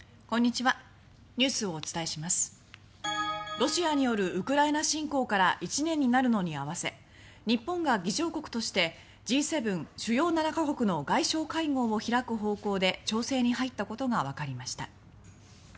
ロシアによるウクライナ侵攻から１年になるのに合わせ日本が議長国としてＧ７・主要７カ国の外相会合を開く方向で調整に入ったことがわかりました。